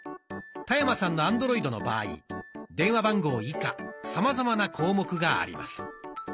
田山さんのアンドロイドの場合電話番号以下さまざまな項目があります。